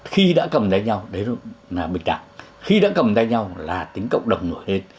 khi đã cầm tay nhau đấy là bình đẳng khi đã cầm tay nhau là tính cộng đồng nổi lên